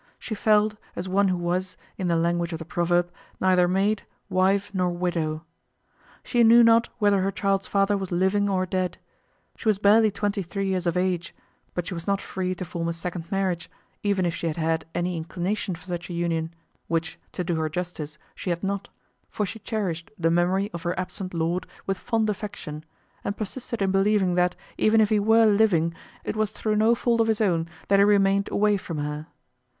She felt, as one who was, in the language of the proverb, neither maid, wife nor widow. She knew not whether her child's father was living or dead. She was barely twenty three years of age, but she was not free to form a second marriage, even if she had had any inclination for such a union, which, to do her justice, she had not, for she cherished the memory of her absent lord with fond affection, and persisted in believing that, even if he were living, it was through no fault of his own that he remained away from her.